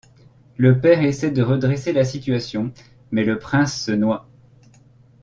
Le père essaie de redresser la situation, mais le prince se noie.